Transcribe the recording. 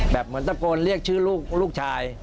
แบบมันตะโกนเรียกชื่อลูกลูกชาย